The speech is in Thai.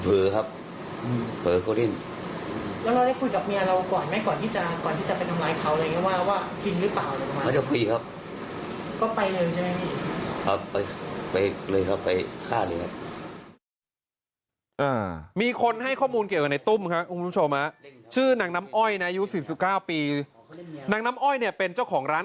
พอผมรู้ข้าวของพี่น้ำแข็งอืม